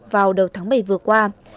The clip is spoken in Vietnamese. vào đầu tháng bảy vừa qua